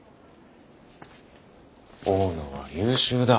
大野は優秀だ。